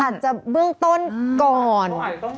อาจจะเบื้องต้นก่อน